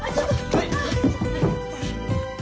はい。